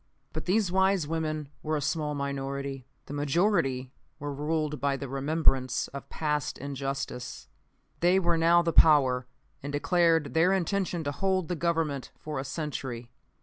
"But these wise women were a small minority. The majority were ruled by the remembrance of past injustice. They were now the power, and declared their intention to hold the Government for a century.